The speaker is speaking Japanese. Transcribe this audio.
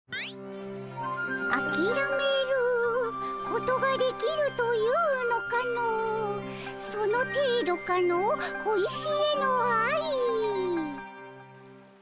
「あきらめることができるというのかのその程度かの小石への愛」。